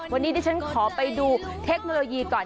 วันนี้ดิฉันขอไปดูเทคโนโลยีก่อน